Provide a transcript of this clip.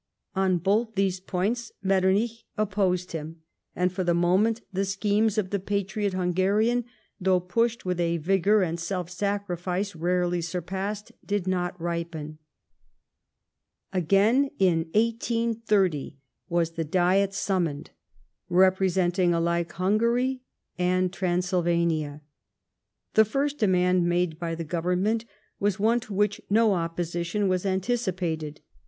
On both these points Metternich opposed him, and for the moment the schemes of the patriot Hungarian, though pushed with a vigour and self sacrifice rarely surpassed, did not ripen. Again, in 1830, was the Diet summoned, representing alike Hungary and Transylvania. The first demand made by the Government was one to which no opposition was anticipated.